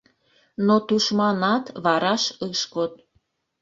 Но тушманат вараш ыш код.